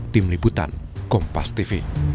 tim liputan kompas tv